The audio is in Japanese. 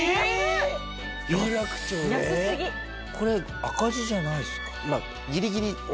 これ赤字じゃないんですか？